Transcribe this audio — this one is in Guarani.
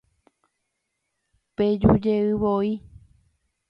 Pejujey voi